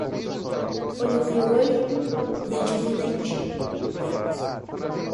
Olho por olho, dente por dente